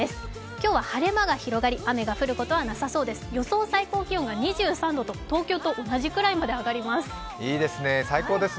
今日は晴れ間が広がり雨が降ることはなさそうです。